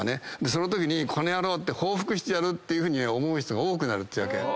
そのときにこの野郎って報復してやるって思う人が多くなるっていうわけ。